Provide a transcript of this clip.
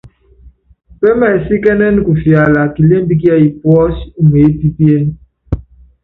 Pɛ́mɛsíkɛ́nɛ́nɛ kufialitɛ kilémbi kíɛ́yí puɔ́si umeépípíéne.